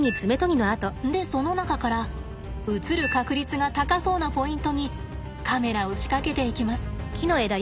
でその中から映る確率が高そうなポイントにカメラを仕掛けていきます。